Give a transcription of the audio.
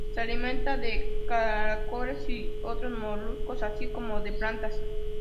Se alimenta de caracoles y otros moluscos, así como de plantas.